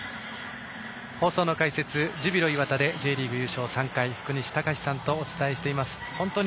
放送の解説、ジュビロ磐田でＪリーグ優勝３回福西崇史さんとお伝えしています。